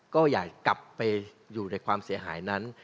ก็อยากกลับไปอยู่ในความเสียหายนั้น